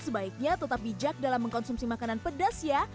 sebaiknya tetap bijak dalam mengkonsumsi makanan pedas ya